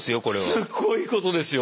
すっごいことですよ